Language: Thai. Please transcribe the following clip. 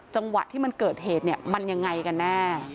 จังหวะที่มันเกิดเหตุเนี่ยมันยังไงกันแน่